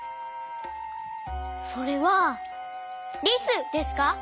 それはリスですか？